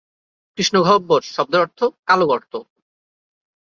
কৃষ্ণগহ্বর শব্দের অর্থ কালো গর্ত।